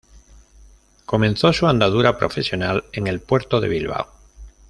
Comenzó su andadura profesional en el puerto de Bilbao.